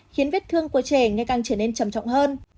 khiến vết thương của trẻ ngày càng trở nên trầm trọng hơn